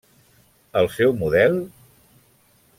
El seu model?